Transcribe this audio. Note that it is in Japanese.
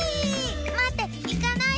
まっていかないで。